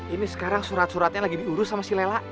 ini sekarang surat suratnya lagi diurus sama si lela